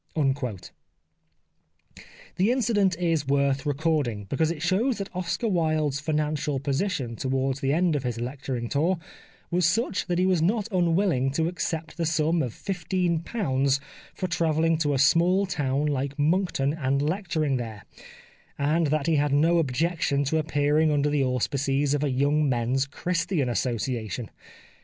The incident is worth recording, because it shows that Oscar Wilde's financial position to wards the end of his lecturing tour was such that he was not unwilling to accept the sum of £15 for travelling to a small town like Moncton and lecturing there, and that he had no objection to appearing under the auspices of a Young Men's Christian Association.